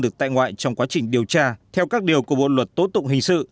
được tại ngoại trong quá trình điều tra theo các điều của bộ luật tố tụng hình sự